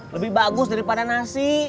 lebih bagus daripada nasi